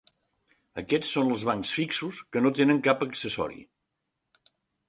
Aquestes són els bancs fixos que no tenen cap accessori.